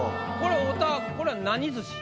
太田これ何寿司？